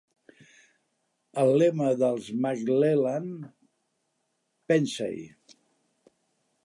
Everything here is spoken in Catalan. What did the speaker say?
El lema dels Maclellan: Pensa-hi.